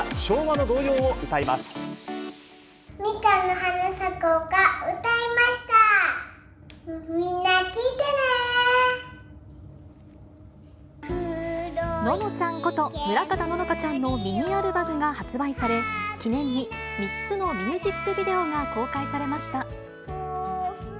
ののちゃんこと村方乃々佳ちゃんのミニアルバムが発売され、記念に３つのミュージックビデオが公開されました。